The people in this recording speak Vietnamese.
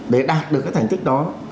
để đạt được cái thành tích đó